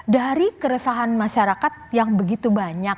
dari keresahan masyarakat yang begitu banyak